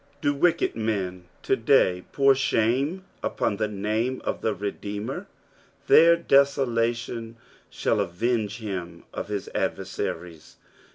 Do wicked men to day pour shame upon the name of the Redeemer ! Their desolation shall avenge him of his adversaries